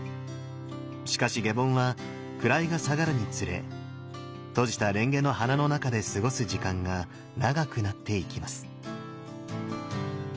しかし下品は位が下がるにつれ閉じたレンゲの花の中で過ごす時間が長くなっていきます。